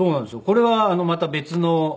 これはまた別の。